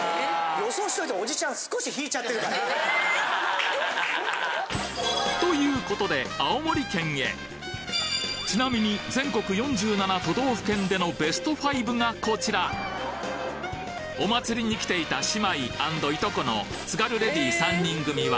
予想しといて。ということでちなみに全国４７都道府県でのベスト５がこちらお祭りに来ていた姉妹アンド従姉妹の津軽レディ３人組は